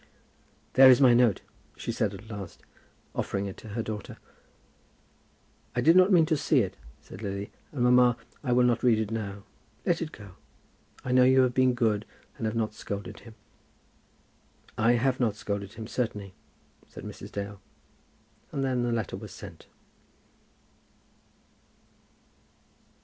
"There is my note," she said at last, offering it to her daughter. "I did not mean to see it," said Lily, "and, mamma, I will not read it now. Let it go. I know you have been good and have not scolded him." "I have not scolded him, certainly," said Mrs. Dale. And then the letter was sent.